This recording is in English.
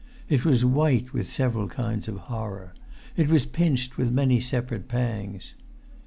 It was white with several kinds of horror; it was pinched with many separate pangs.